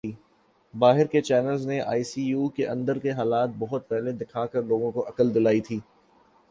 باہر کے چینلز نے آئی سی یو کے اندر کے حالات بہت پہلے دکھا کر لوگوں کو عقل دلائی تھی